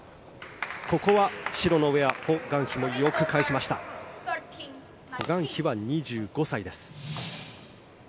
ここは白のウェアホ・グァンヒもよく返しましたホ・グァンヒは２５歳です。